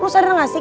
lu sadar gak sih